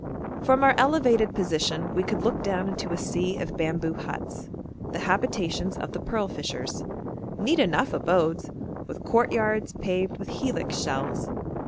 From our elevated position we could look down into a sea of bamboo huts, the habitations of the pearl fishers: neat enough abodes, with courtyards paved with helix shells.